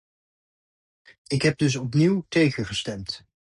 Ik heb dus opnieuw tegen gestemd.